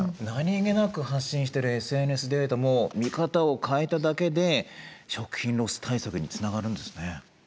何気なく発信してるＳＮＳデータも見方を変えただけで食品ロス対策につながるんですね。